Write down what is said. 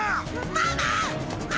ママ！